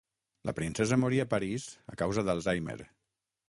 La princesa morí a París a causa d'alzheimer.